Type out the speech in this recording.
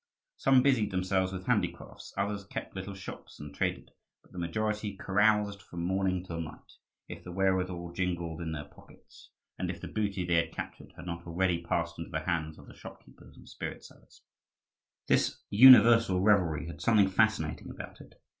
Some busied themselves with handicrafts; others kept little shops and traded; but the majority caroused from morning till night, if the wherewithal jingled in their pockets, and if the booty they had captured had not already passed into the hands of the shopkeepers and spirit sellers. This universal revelry had something fascinating about it.